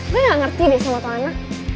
gue gak ngerti deh sama tuhan